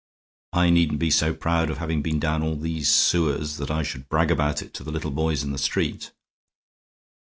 I needn't be so proud of having been down all these sewers that I should brag about it to the little boys in the street."